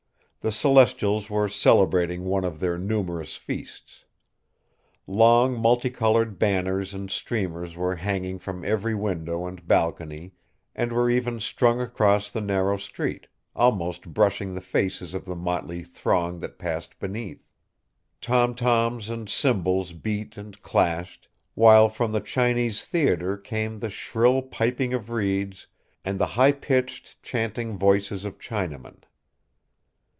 The Celestials were celebrating one of their numerous feasts. Long multicolored banners and streamers were hanging from every window and balcony and were even strung across the narrow street, almost brushing the faces of the motley throng that passed beneath. Tom toms and cymbals beat and clashed, while from the Chinese theater came the shrill piping of reeds and the high pitched chanting voices of Chinamen.